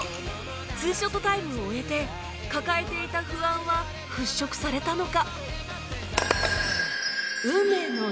２ショットタイムを終えて抱えていた不安は払拭されたのか？